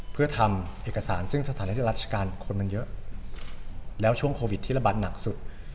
เพื่อทำเอกสารซึ่งสถานที่ราชการคนมันเยอะแล้วช่วงโควิดที่ระบาดหนักสุด